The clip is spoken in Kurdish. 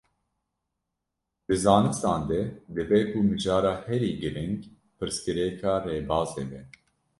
Di zanistan de dibe ku mijara herî giring, pirsgirêka rêbazê be.